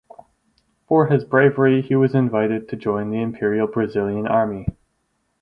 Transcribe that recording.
For his bravery he was invited to join the Imperial Brazilian Army.